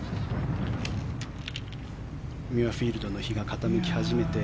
ミュアフィールドの日が傾き始めて。